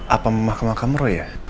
apa mahkamah kameru ya